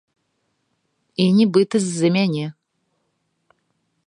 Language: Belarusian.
І нібыта з-за мяне.